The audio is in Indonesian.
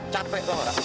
capek tau gak